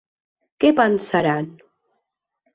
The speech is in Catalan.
Que pensaran?